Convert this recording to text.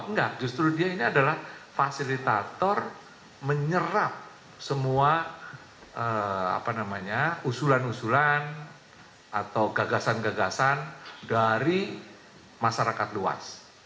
enggak justru dia ini adalah fasilitator menyerap semua usulan usulan atau gagasan gagasan dari masyarakat luas